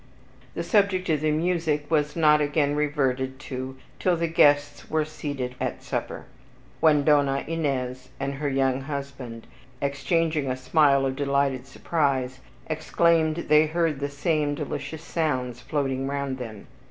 The subject of the music was not again reverted to till the guests were seated at supper, when Donna Ines and her young husband, exchanging a smile of delighted surprise, exclaimed they heard the same delicious sounds floating round them.